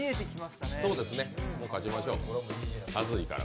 もう勝ちましょう、恥ずいから。